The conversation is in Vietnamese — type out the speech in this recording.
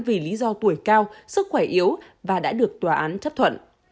vì lý do tuổi cao sức khỏe yếu và đã được tòa án chấp thuận